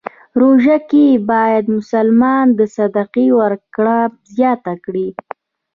روژه کې باید مسلمان د صدقې ورکړه زیاته کړی.